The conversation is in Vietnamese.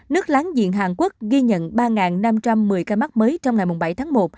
nước láng giềng hàn quốc ghi nhận ba năm trăm một mươi ca mắc mới trong ngày bảy tháng một